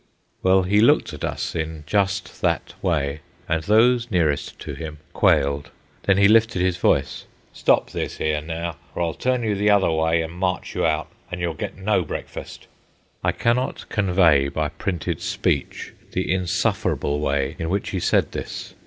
Well, he looked at us in just that way, and those nearest to him quailed. Then he lifted his voice. "Stop this 'ere, now, or I'll turn you the other wy an' march you out, an' you'll get no breakfast." I cannot convey by printed speech the insufferable way in which he said this.